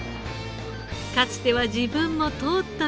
かつては自分も通った道。